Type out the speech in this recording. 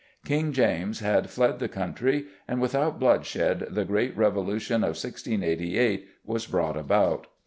King James had fled the country, and without bloodshed the great Revolution of 1688 was brought about.